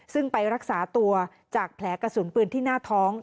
ซึ่งไปรักษาตัวจากแผลกระสุนปืนที่หน้าท้อง